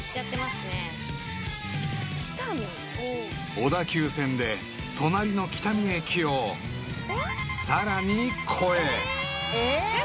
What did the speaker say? ［小田急線で隣の喜多見駅をさらに越え］